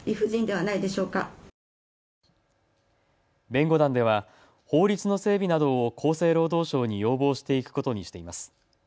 弁護団では、法律の整備などを厚生労働省に要望していくことにしています。